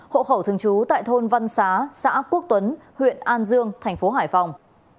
hộ khẩu thường trú tại thôn văn xá xã quốc tuấn huyện an dương thành phố hải phòng